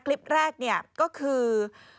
คลิปแรกเนี่ยก็คือ